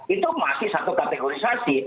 itu masih satu kategorisasi